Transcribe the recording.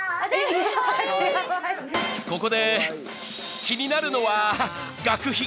［ここで気になるのは学費］